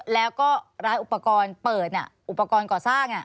แล้วก็ร้านอุปกรณ์เปิดอุปกรณ์ก่อสร้าง